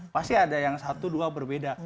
pasti ada yang satu dua berbeda